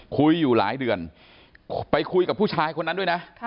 คุยอยู่หลายเดือนไปคุยกับผู้ชายคนนั้นด้วยนะ